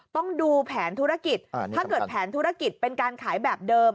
ต้องดูแผนธุรกิจถ้าเกิดแผนธุรกิจเป็นการขายแบบเดิม